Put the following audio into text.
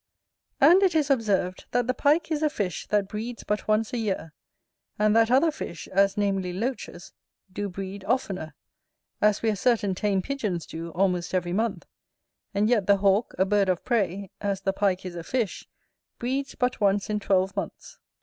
And it is observed, that the Pike is a fish that breeds but once a year; and that other fish, as namely Loaches, do breed oftener: as we are certain tame Pigeons do almost every month; and yet the Hawk, a bird of prey, as the Pike is a fish, breeds but once in twelve months.